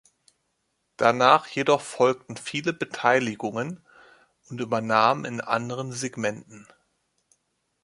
Danach jedoch folgten viele Beteiligungen und Übernahmen in anderen Segmenten.